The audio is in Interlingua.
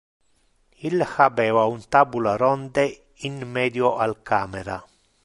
Il habeva un tabula ronde in medio al camera